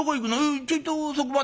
『ちょいとそこまで』。